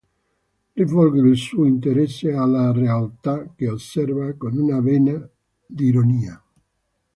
Rivolge il suo interesse alla realtà che osserva con una vena d'ironia.